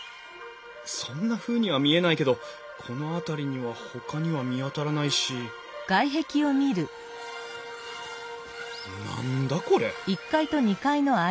そんなふうには見えないけどこの辺りにはほかには見当たらないし何だこれ！？